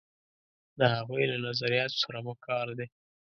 د هغوی له نظریاتو سره مو کار دی.